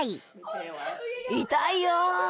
痛いよ。